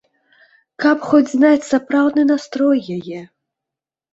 Каб хоць знаць сапраўдны настрой яе!